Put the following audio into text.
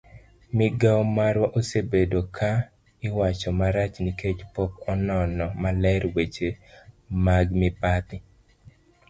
migao marwa osebedo ka iwacho marach nikech pok onono maler weche mag mibadhi